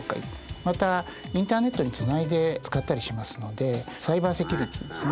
またインターネットにつないで使ったりしますのでサイバーセキュリティーですね。